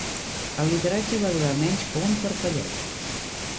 El lideratge va durar menys que un parpelleig.